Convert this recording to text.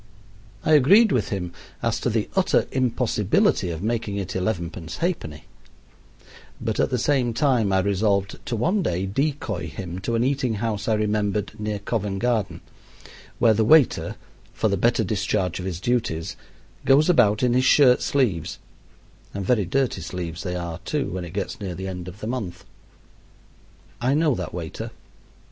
I agreed with him as to the utter impossibility of making it elevenpence ha'penny; but at the same time I resolved to one day decoy him to an eating house I remembered near Covent Garden, where the waiter, for the better discharge of his duties, goes about in his shirt sleeves and very dirty sleeves they are, too, when it gets near the end of the month. I know that waiter.